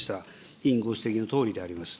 委員ご指摘のとおりであります。